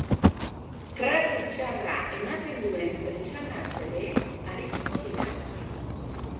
Tratu txarra ematen duen pertsonaz ere arituko dira.